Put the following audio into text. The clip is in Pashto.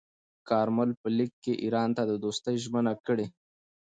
کارمل په لیک کې ایران ته د دوستۍ ژمنه کړې.